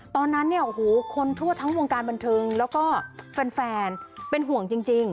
ตอนนั้นคนทั่วทั้งวงการบันทึงแล้วก็แฟนเป็นห่วงจริง